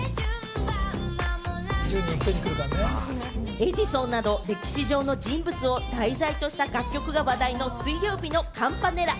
『エジソン』など歴史上の人物を題材とした楽曲が話題の水曜日のカンパネラ。